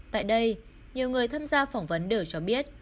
tại đây nhiều người tham gia phỏng vấn đều cho biết